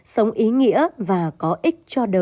sống ý nghĩa và có ích cho đời